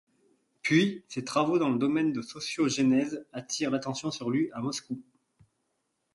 Puis, ses travaux dans le domaine de sociogenèse attirent l'attention sur lui à Moscou.